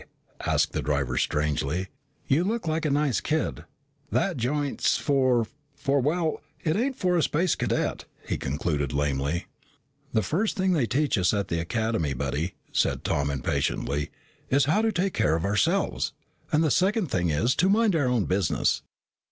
asked the driver strangely. "You look like a nice kid. That joint's for for well, it ain't for a Space Cadet," he concluded lamely. "The first thing they teach us at the Academy, buddy," said Tom impatiently, "is how to take care of ourselves, and the second thing is to mind our own business."